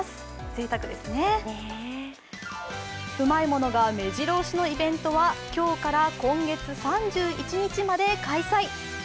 ぜいたくですね、うまいものがめじろ押しのイベントは今日から今月３１日まで開催。